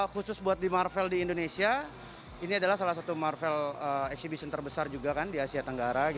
khusus buat di marvel di indonesia ini adalah salah satu marvel exhibition terbesar juga kan di asia tenggara